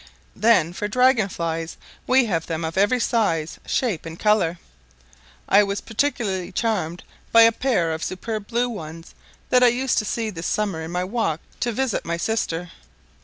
Then for dragon flies, we have them of every size, shape, and colour. I was particularly charmed by a pair of superb blue ones that I used to see this summer in my walk to visit my sister.